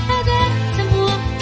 agar semua tak berakhir